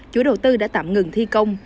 chủ đầu tư đã tạm ngừng thi công